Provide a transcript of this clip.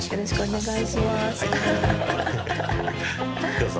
どうぞ。